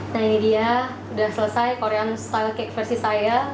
nah ini dia sudah selesai korean style cake versi saya